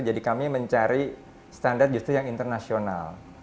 jadi kami mencari standar justru yang internasional